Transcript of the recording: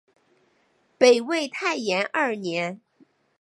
北魏太延二年。